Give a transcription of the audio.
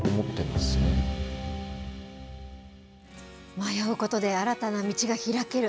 迷うことで新たな道が開ける。